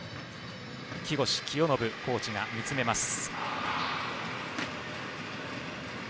木越清信コーチが見つめます。